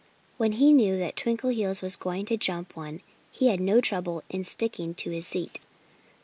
When he knew that Twinkleheels was going to jump one he had no trouble in sticking to his seat.